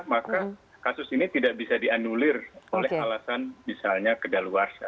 maka kasus ini tidak bisa dianulir oleh alasan misalnya keadaan luar sah